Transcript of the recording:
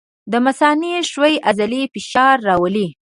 د مثانې ښویې عضلې فشار راولي.